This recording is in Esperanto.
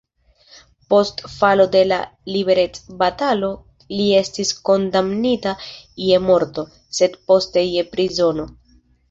Post falo de la liberecbatalo li estis kondamnita je morto, sed poste je prizono.